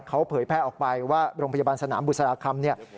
เขาเผยแพร่ออกไปว่าโรงพยาบาลสนามบุษราคำเนี่ย